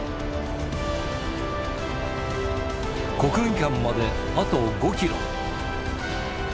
国技館まであと５キロ。